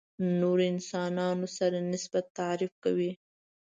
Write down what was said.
نورو انسانانو سره نسبت تعریف کوي.